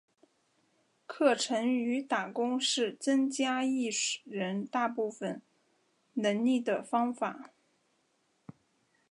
课程与打工是增加艺人大部分能力的方法。